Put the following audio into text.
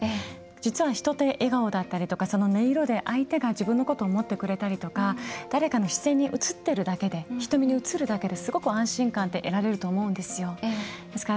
実は、人って笑顔だったりとかその音色で、相手が自分のことを思ってくれたりとか誰かの視線に映ってるだけで瞳に映るだけですごく安心感って得られると思うんですよ。